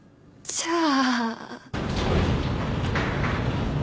じゃあ。